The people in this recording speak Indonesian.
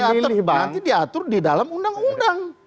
nanti diatur di dalam undang undang